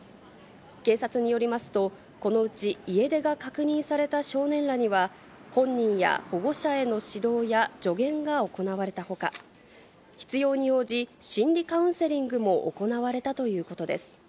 警察によりますと、このうち家出が確認された少年らには、本人や保護者への指導や助言が行われたほか、必要に応じ、心理カウンセリングも行われたということです。